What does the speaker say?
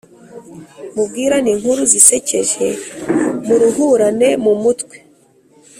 mubwirane inkuru zisekeje, muruhurane mu mutwe,